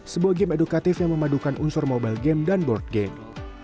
sebuah game edukatif yang memadukan unsur mobile game dan board game